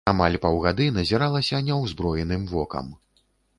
Амаль паўгады назіралася няўзброеным вокам.